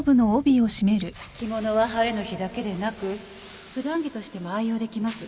着物は晴れの日だけでなく普段着としても愛用できます。